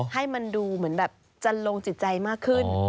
ให้มันดูเหมือนแบบจันลงจิตใจมากขึ้น